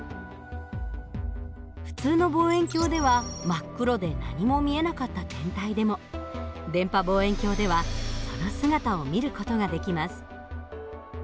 普通の望遠鏡では真っ黒で何も見えなかった天体でも電波望遠鏡ではその姿を見る事ができます。